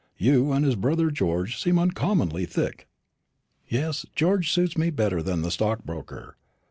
You and his brother George seem uncommonly thick." "Yes, George suits me better than the stockbroker.